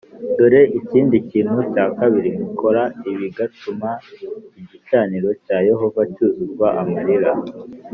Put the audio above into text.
Dore ikindi kintu cya kabiri mukora bigatuma igicaniro cya Yehova cyuzuzwa amarira